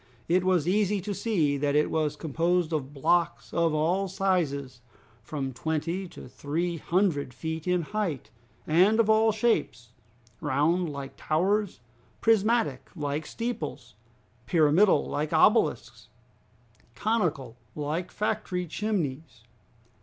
It was easy to see that it was composed of blocks of all sizes, from twenty to three hundred feet in height, and of all shapes, round like towers, prismatic like steeples, pyramidal like obelisks, conical like factory chimneys.